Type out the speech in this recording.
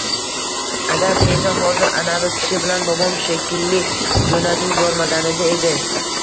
Agar meni hozir anavi kishi bilan – bobom shekilli – joʻnatib yubormaganida edi.